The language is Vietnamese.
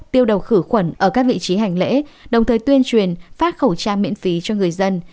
tiêu độc khử khuẩn ở các vị trí hành lễ đồng thời tuyên truyền phát khẩu trang miễn phí cho người dân